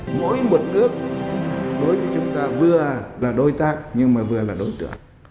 mỗi một nước đối với chúng ta vừa là đối tác nhưng mà vừa là đối trưởng